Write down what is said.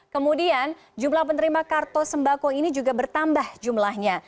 kemudian jumlah penerima kartu sembako ini juga bertambah jumlahnya